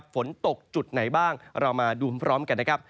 ฝนตกจุดไหนบ้างเราดูพร้อมกัน